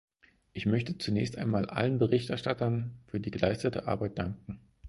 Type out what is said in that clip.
Ich möchte zunächst einmal allen Berichterstattern für die geleistete Arbeit danken.